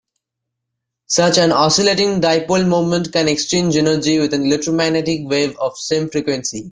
Such an oscillating dipole moment can exchange energy with an electromagnetic wave of same frequency.